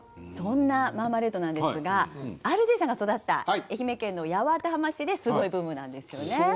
そんなマーマレードなんですがＲＧさんが育った愛媛県の八幡浜市ですごいブームなんですよね。